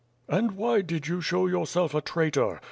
"And why did you show yourself a traitor?